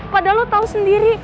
padahal lo tau sendiri